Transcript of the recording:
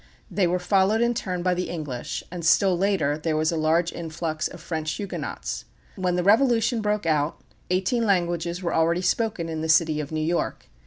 They were followed in turn by the English, and still later there was a large influx of French Huguenots. When the Revolution broke out eighteen languages were already spoken in the city of New York.